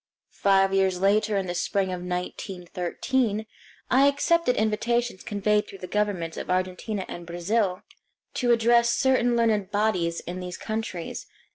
Five years later, in the spring of 1913, I accepted invitations conveyed through the governments of Argentina and Brazil to address certain learned bodies in these countries.